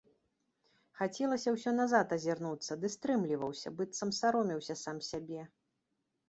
Хацелася ўсё назад азірнуцца, ды стрымліваўся, быццам саромеўся сам сябе.